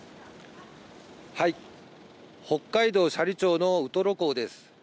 北海道斜里町のウトロ港です。